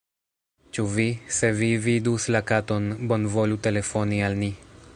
Ĉu vi... se vi vidus la katon, bonvolu telefoni al ni."